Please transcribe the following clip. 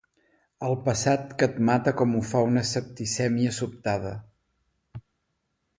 El passat que et mata com ho fa una septicèmia sobtada.